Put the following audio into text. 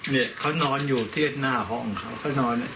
เนี่ยเขานอนอยู่ที่หน้าห้องเขาเขานอน